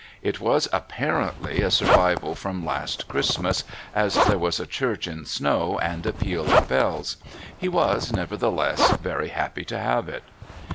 It was apparently a survival from last Christmas, as there was a church in snow and a peal of bells; he was, nevertheless, very happy to have it.